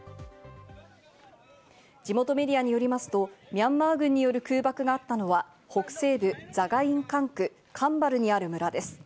地元メディアによりますと、ミャンマー軍による空爆があったのは、北西部ザガイン管区カンバルにある村です。